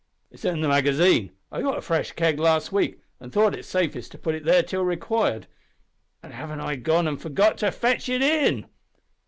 "It's in the magazine. I got a fresh keg last week, an' thought it safest to put it there till required an' haven't I gone an' forgot to fetch it in!"